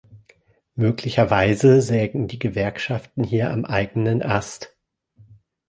Möglicherweise sägen die Gewerkschaften hier am eigenen Ast.